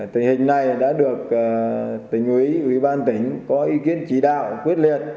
tình hình này đã được tỉnh ủy ủy ban tỉnh có ý kiến chỉ đạo quyết liệt